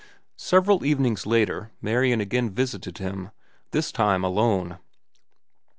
Several evenings later Marian again visited him, this time alone.